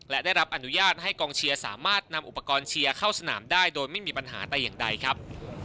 และได้รับอนุญาตให้กองเชียร์สามารถนำอุปกรณ์เชียร์เข้าสนามได้โดยไม่มีปัญหาแต่อย่างใดครับ